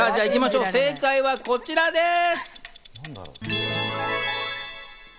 正解はこちらです！